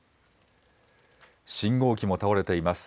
信号機も倒れています。